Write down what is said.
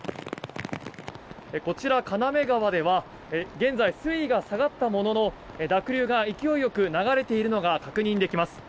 こちら、金目川では現在、水位が下がったものの濁流が勢いよく流れているのが確認できます。